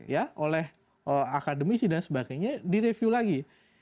ya oleh akademisi dan sebagainya direview lagi